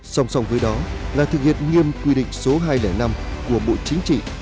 song song với đó là thực hiện nghiêm quy định số hai trăm linh năm của bộ chính trị